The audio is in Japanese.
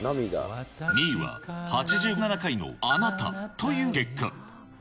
２位は８７回のあなたという結果。